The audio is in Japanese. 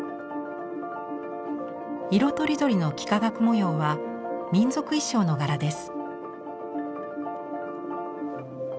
色とりどりの幾何学模様は民族衣装の柄です。